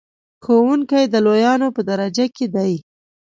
ښوونکی د لویانو په درجه کې دی.